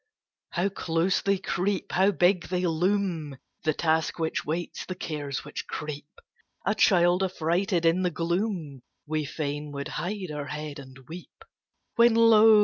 How close they creep! How big they loom! The Task which waits, the Cares which creep; A child, affrighted in the gloom, We fain would hide our head and weep. When, lo!